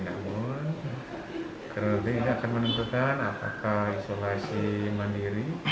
namun kerelebihan akan menentukan apakah isolasi mandiri